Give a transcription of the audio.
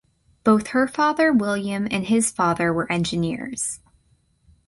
Both her father William and his father were engineers.